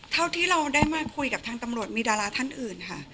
เท่าที่เราได้มาคุยกับทางตำรวจมีดาราท่านอื่นค่ะ